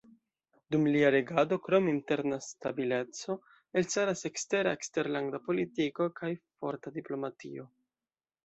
Dum lia regado, krom interna stabileco, elstaras ekstera eksterlanda politiko kaj forta diplomatio.